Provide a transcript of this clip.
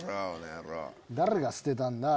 誰が捨てたんだ？